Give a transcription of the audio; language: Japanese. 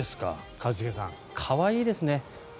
一茂さん可愛いですね。